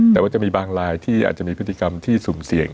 แต่ว่าจะมีบางลายที่อาจจะมีพฤติกรรมที่สุ่มเสี่ยง